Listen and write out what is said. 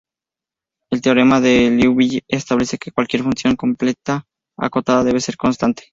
El teorema de Liouville establece que cualquier función completa acotada debe ser constante.